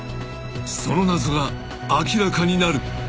［その謎が明らかになる］